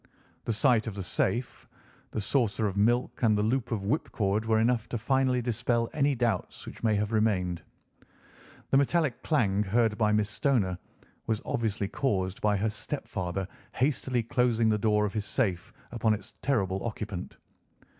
The sight of the safe, the saucer of milk, and the loop of whipcord were enough to finally dispel any doubts which may have remained. The metallic clang heard by Miss Stoner was obviously caused by her stepfather hastily closing the door of his safe upon its terrible occupant.